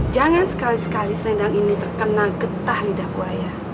jangan sekali sekali selendang ini terkena getah lidah buaya